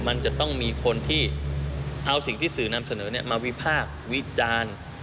มันจะต้องมีคนที่เอาสิ่งที่สื่อนำเสนอมาวิพากษ์วิจารณ์